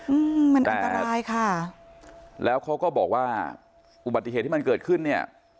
อืมมันอันตรายค่ะแล้วเขาก็บอกว่าอุบัติเหตุที่มันเกิดขึ้นเนี่ย